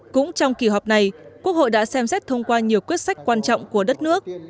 cũng trong kỳ họp này quốc hội đã xem xét thông qua nhiều quyết sách quan trọng của đất nước